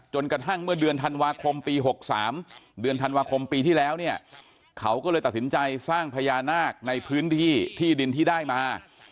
กระทั่งเมื่อเดือนธันวาคมปี๖๓เดือนธันวาคมปีที่แล้วเนี่ยเขาก็เลยตัดสินใจสร้างพญานาคในพื้นที่ที่ดินที่ได้มา